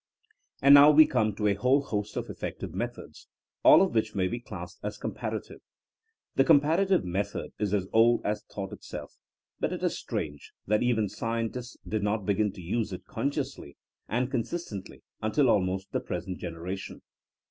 And now we come to a whole host of effective methods, all of which may be classed as com parative. The comparative method is as old as thought itself, but it is strange that even sci entists did not begin to use it consciously and THINEINa AS A SOIENOE 23 consistently until almost the present generation.